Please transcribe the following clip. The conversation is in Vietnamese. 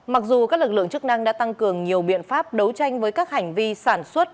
mặc dù các lực lượng chức năng đã tăng cường nhiều biện pháp đấu tranh với các hành vi sản xuất